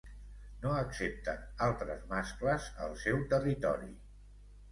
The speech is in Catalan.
No accepten altres mascles al seu territori.